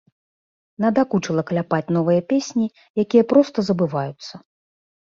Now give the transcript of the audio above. Надакучыла кляпаць новыя песні, якія проста забываюцца.